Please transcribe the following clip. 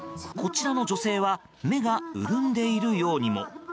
こちらの女性は目が潤んでいるようにも。